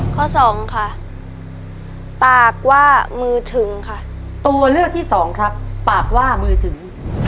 ข้อสองค่ะปากว่ามือถึงค่ะตัวเลือกที่สองครับปากว่ามือถึง